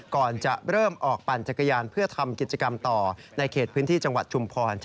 ก่อนจะเริ่มออกปั่นจักรยานเพื่อทำกิจกรรมต่อในเขตพื้นที่จังหวัดชุมพร